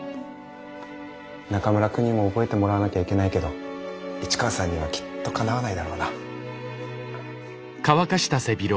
中村くんにも覚えてもらわなきゃいけないけど市川さんにはきっとかなわないだろうな。